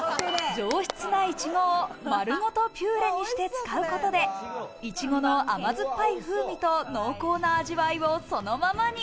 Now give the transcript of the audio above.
上質ないちごを、丸ごとピューレにして使うことで、いちごの甘酸っぱい風味と濃厚な味わいをそのままに。